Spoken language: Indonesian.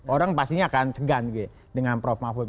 orang pastinya akan segan dengan prof mahfud